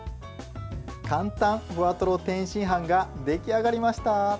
簡単ふわとろ天津飯が出来上がりました！